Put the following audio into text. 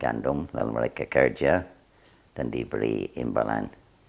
karena saya ingin bekerja di negeri di timbalan